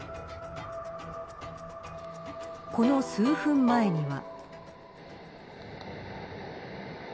この数分前には。